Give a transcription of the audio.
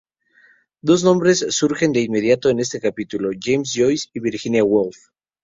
Dos nombres surgen de inmediato en este capítulo: James Joyce y Virginia Woolf.